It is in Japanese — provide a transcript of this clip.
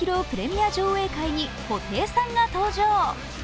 プレミア上映会に布袋さんが登場。